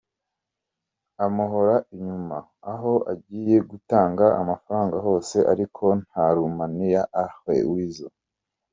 Amuhora inyuma aho agiye gutanga amafaranga hose ariko nta n’urumiya aha Weasel.